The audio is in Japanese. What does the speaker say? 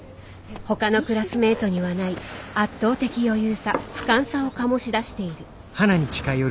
ほかのクラスメートにはない圧倒的余裕さ俯瞰さを醸し出している。